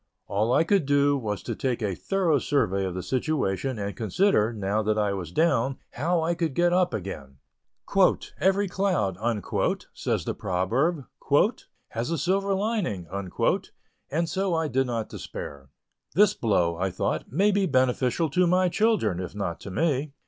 All I could do was to take a thorough survey of the situation, and consider, now that I was down, how I could get up again. "Every cloud," says the proverb, "has a silver lining," and so I did not despair. "This blow," I thought "may be beneficial to my children, if not to me."